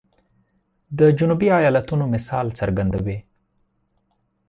د جنوبي ایالاتونو مثال څرګندوي.